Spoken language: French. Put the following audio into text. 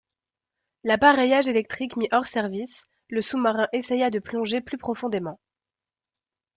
L’appareillage électrique mis hors service, le sous-marin essaya de plonger plus profondément.